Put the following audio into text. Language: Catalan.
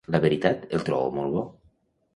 La veritat el trobo molt bo.